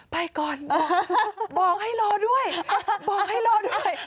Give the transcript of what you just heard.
ไปก่อนบอกให้รอด้วยบอกให้รอด้วย